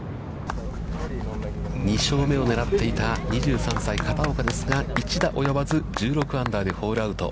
２勝目を狙っていた２３歳片岡ですが、１打及ばず１６アンダーでホールアウト。